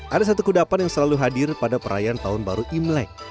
ada satu kudapan yang selalu hadir pada perayaan tahun baru imlek